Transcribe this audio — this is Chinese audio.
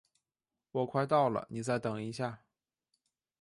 我快到了，你再等一下。